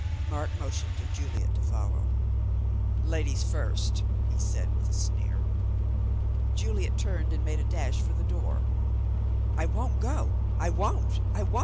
Mark motioned to Juliet to follow. "Ladies first," he said with a sneer. Juliet turned and made a dash for the door. "I won't go! I won't! I won't!"